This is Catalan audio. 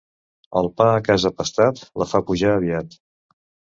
El pa a casa pastat la fa pujar aviat.